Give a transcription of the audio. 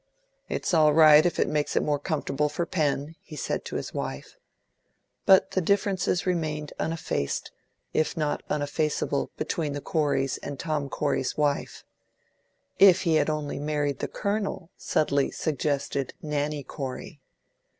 "It's all right if it makes it more comfortable for Pen," he said to his wife. But the differences remained uneffaced, if not uneffaceable, between the Coreys and Tom Corey's wife. "If he had only married the Colonel!" subtly suggested Nanny Corey.